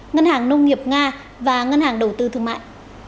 ngân hàng nông nghiệp nga và ngân hàng đầu tư thương mại